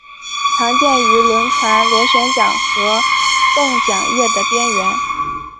常见于轮船螺旋桨和泵桨叶的边缘。